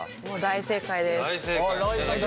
もう大正解です。